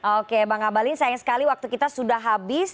oke bang abalin sayang sekali waktu kita sudah habis